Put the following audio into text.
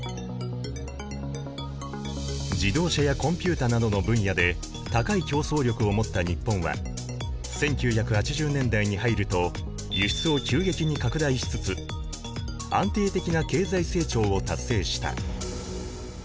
自動車やコンピューターなどの分野で高い競争力を持った日本は１９８０年代に入ると輸出を急激に拡大しつつ安定的な経済成長を達成した。